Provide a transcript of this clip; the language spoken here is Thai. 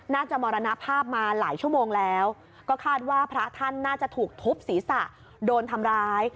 มรณภาพมาหลายชั่วโมงแล้วก็คาดว่าพระท่านน่าจะถูกทุบศีรษะโดนทำร้าย